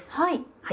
はい。